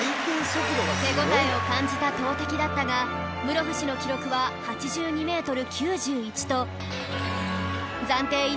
手応えを感じた投てきだったが室伏の記録は８２メートル９１と